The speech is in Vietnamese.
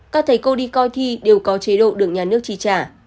các thầy cô đi coi thi đều có chế độ được nhà nước trì trả